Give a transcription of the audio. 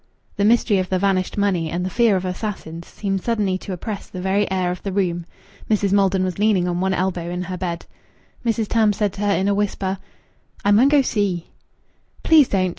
The mystery of the vanished money and the fear of assassins seemed suddenly to oppress the very air of the room. Mrs. Maldon was leaning on one elbow in her bed. Mrs. Tams said to her in a whisper "I mun go see." "Please don't!"